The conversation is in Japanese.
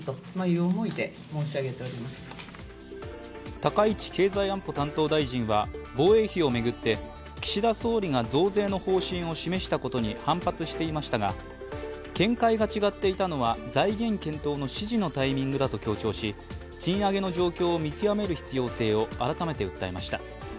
高市経済安保担当大臣は防衛費を巡って岸田総理が増税の方針を示したことに反発していましたが見解が違っていたのは財源検討の指示のタイミングだと強調し、賃上げの状況を見極める必要性を改めて訴えました。